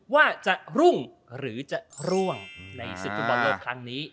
ว่าจะรุ่งหรือจะร่วงในศึกฟุตบอลโลกครั้งนี้